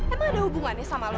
emang ada hubungannya sama lo